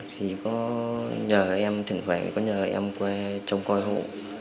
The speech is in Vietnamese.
thì có nhờ em thỉnh thoảng có nhờ em qua trong coi hộ